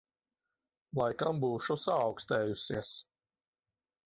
Laikam būšu saaukstējusies.